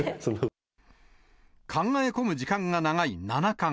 考え込む時間が長い七冠。